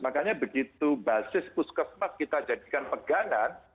makanya begitu basis puskesmas kita jadikan pegangan